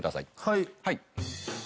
はい。